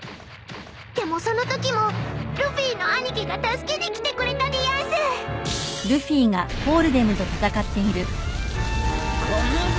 ［でもそのときもルフィの兄貴が助けに来てくれたでやんす］ゴムゴムの。